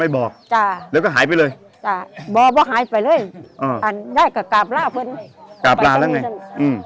บอกว่าหายไปเลยอ่าได้ก็กราบล่าเพิ่งกราบล่าแล้วไงอืม